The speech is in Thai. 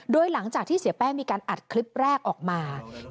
โดยหลังจากที่เสียแป้งมีการอัดคลิปแรกออกมา